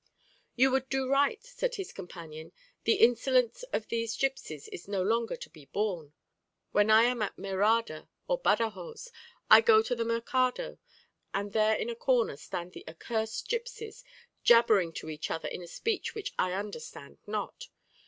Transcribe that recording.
"You would do right," said his companion; "the insolence of these gipsies is no longer to be borne. When I am at Merida or Badajoz I go to the mercado, and there in a corner stand the accursed gipsies, jabbering to each other in a speech which I understand not.